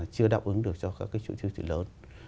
chưa đáp ứng được cho các cái chuỗi siêu thị lớn